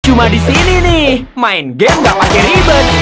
cuma disini nih main game gak pake ribet